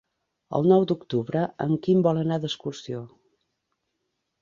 El nou d'octubre en Quim vol anar d'excursió.